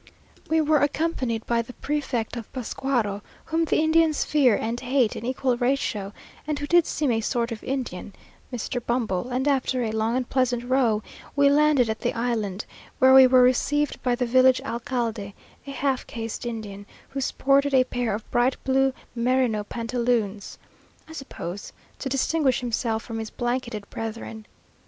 We were accompanied by the prefect of Pascuaro, whom the Indians fear and hate in equal ratio, and who did seem a sort of Indian Mr. Bumble; and, after a long and pleasant row, we landed at the island, where we were received by the village alcalde, a half caste Indian, who sported a pair of bright blue merino pantaloons! I suppose to distinguish himself from his blanketed brethren.